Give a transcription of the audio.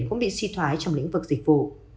cũng bị si thoái trong lĩnh vực dịch vụ